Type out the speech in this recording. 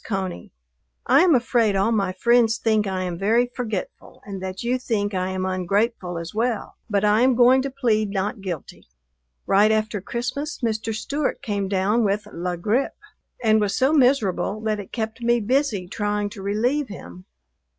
CONEY, I am afraid all my friends think I am very forgetful and that you think I am ungrateful as well, but I am going to plead not guilty. Right after Christmas Mr. Stewart came down with la grippe and was so miserable that it kept me busy trying to relieve him.